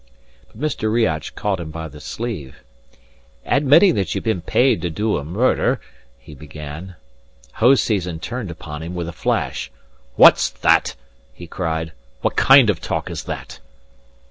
But Mr. Riach caught him by the sleeve. "Admitting that you have been paid to do a murder " he began. Hoseason turned upon him with a flash. "What's that?" he cried. "What kind of talk is that?"